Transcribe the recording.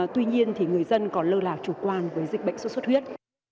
tuy nhiên thì người dân còn lơ lào chủ quan với dịch bệnh xuất huyết